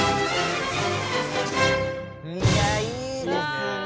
いやいいですね。